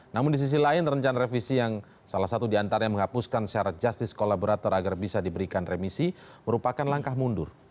namun di sisi lain rencana revisi yang salah satu diantaranya menghapuskan syarat justice kolaborator agar bisa diberikan remisi merupakan langkah mundur